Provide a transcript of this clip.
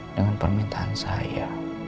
dengan permintaan saya